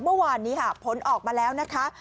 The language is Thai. เมื่อวานนี้ค่ะผลออกมาแล้วนะคะ